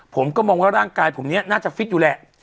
ผมก็มองว่าร่างกายผมเนี่ยน่าจะฟิตอยู่แหละ